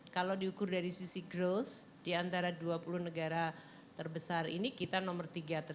kalau diukur dari sisi growth di antara dua puluh negara terbesar ini kita nomor tiga